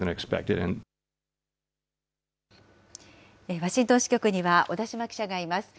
ワシントン支局には小田島記者がいます。